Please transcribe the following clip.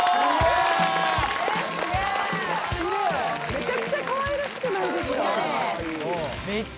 めちゃくちゃかわいらしくないですか？